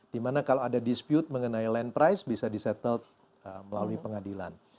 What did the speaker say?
dimana kalau ada dispute mengenai land price bisa di settle melalui pengadilan